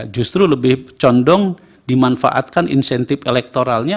justru lebih condong dimanfaatkan insentif elektoralnya